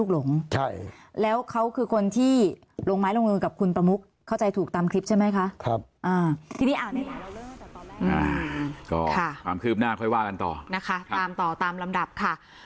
ก็ความคืบหน้าค่อยว่ากันต่อนะคะตามต่อตามลำดับค่ะ